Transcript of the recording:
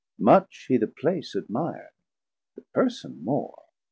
Much hee the Place admir'd, the Person more.